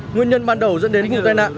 nguyên nhân ban đầu dẫn đến vụ tai nạn